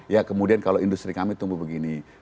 ya kemudian kalau industri kami tumbuh begini